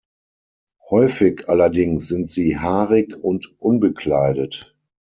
Häufig allerdings sind sie haarig und unbekleidet.